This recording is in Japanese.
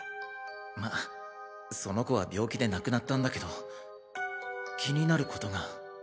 まぁその子は病気で亡くなったんだけど気になることが。